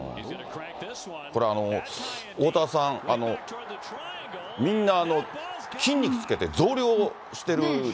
これ、おおたわさん、みんな、筋肉つけて増量してる。